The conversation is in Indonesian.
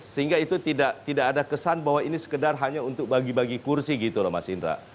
sehingga itu tidak ada kesan bahwa ini sekedar hanya untuk bagi bagi kursi gitu loh mas indra